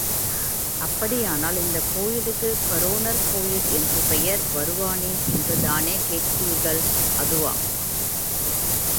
அப்படியானால் இந்தக் கோயிலுக்குக் காரோணர் கோயில் என்று பெயர் வருவானேன் என்றுதானே கேட்கிறீர்கள், அதுவா?